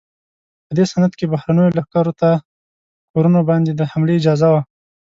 په دې سند کې بهرنیو لښکرو ته کورونو باندې د حملې اجازه وه.